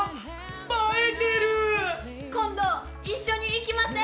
今度一緒に行きません？